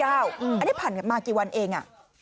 อันนี้ผ่านกันมากี่วันเอง